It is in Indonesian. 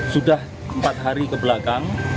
sudah empat hari kebelakang